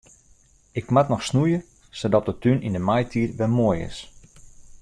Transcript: Ik moat noch snoeie sadat de tún yn de maitiid wer moai is.